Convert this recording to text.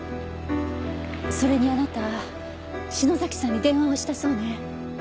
それにあなた篠崎さんに電話をしたそうね。